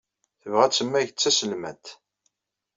Tebɣa ad temmag d taselmadt